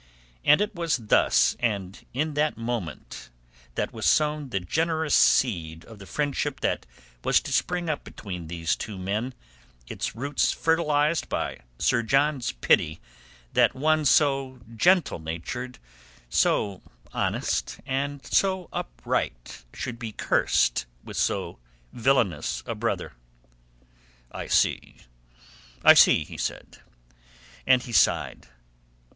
And it was thus and in that moment that was sown the generous seed of the friendship that was to spring up between these two men, its roots fertilized by Sir John's pity that one so gentle natured, so honest, and so upright should be cursed with so villainous a brother. "I see, I see," he said. And he sighed.